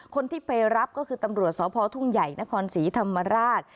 คนที่ไปรับก็คือตำรวจสพทุ่งใหญ่นครศรีธรรมราช